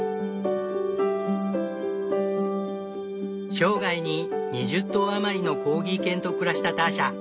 生涯に２０頭余りのコーギー犬と暮らしたターシャ。